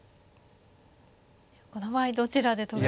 この場合どちらで取るのが。